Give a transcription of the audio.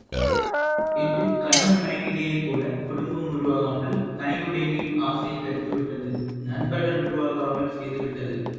இன்று கணவன் மனைவியிடையே கூடக் குடும்பம் உருவாகாமல் தனி உடைமை ஆசை கெடுத்துவிட்டது நண்பர்கள் உருவாகாமல் செய்து விட்டது.